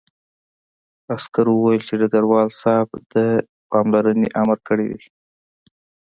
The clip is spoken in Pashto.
عسکر وویل چې ډګروال صاحب د پاملرنې امر کړی دی